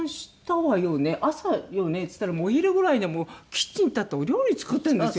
朝よね？」って言ったらお昼ぐらいにはもうキッチン立ってお料理作ってるんですよ。